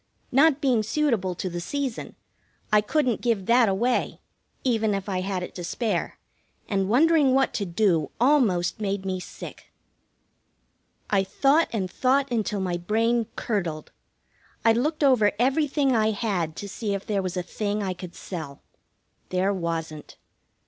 Not being suitable to the season, I couldn't give that away, even if I had it to spare, and wondering what to do almost made me sick. I thought and thought until my brain curdled. I looked over everything I had to see if there was a thing I could sell. There wasn't.